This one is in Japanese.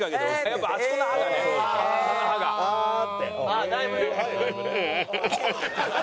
あっだいぶ。